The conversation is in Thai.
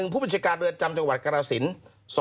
ผู้บัญชาการเรือนจำจังหวัดกรสิน